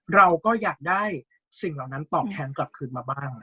เราก็อยากได้สิ่งเหล่านั้นตอบแทนกลับคืนมาบ้าง